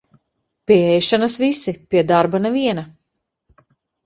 Pie ēšanas visi, pie darba neviena.